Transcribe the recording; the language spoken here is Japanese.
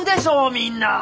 みんな。